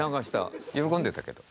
喜んでたけど。